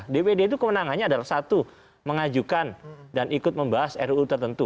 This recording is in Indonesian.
dpd itu kewenangannya adalah satu mengajukan dan ikut membahas ruu tertentu